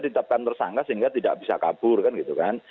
ditetapkan tersangka sehingga tidak bisa kabur kan gitu kan